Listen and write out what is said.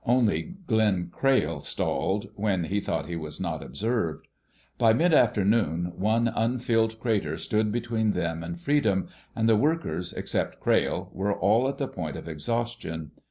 Only Glenn Crayle stalled, when he thought he was not observed. By mid afternoon one unfilled crater stood between them and freedom, and the workers, except Crayle, were all at the point of exhaustion.